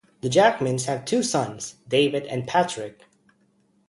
The Jackmans have two sons, David and Patrick.